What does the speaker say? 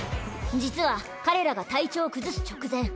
実は彼らが体調を崩す直前。